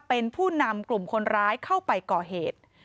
เป็นผู้นำกลุ่มคนร้ายเข้าไปก่อเหตุ